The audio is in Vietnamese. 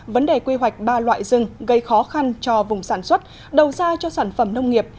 vấn đề quy hoạch ba loại rừng gây khó khăn cho vùng sản xuất đầu ra cho sản phẩm nông nghiệp